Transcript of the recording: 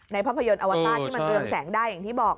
ภาพยนตร์อวต้าที่มันเรืองแสงได้อย่างที่บอก